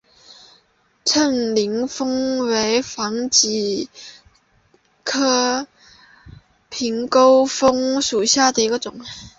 秤钩风为防己科秤钩风属下的一个种。